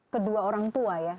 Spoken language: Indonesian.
kedua orang tua ya